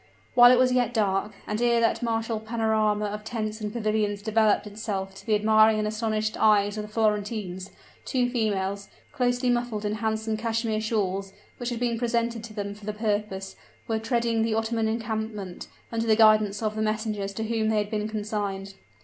While it was yet dark and ere that martial panorama of tents and pavilions developed itself to the admiring and astonished eyes of the Florentines two females, closely muffled in handsome cashmere shawls, which had been presented to them for the purpose, were treading the Ottoman encampment, under the guidance of the messengers to whom they had been consigned.